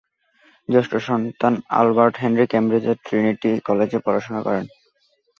জ্যেষ্ঠ সন্তান Albert Henry কেমব্রিজের Trinity কলেজে পড়াশোনা করেন।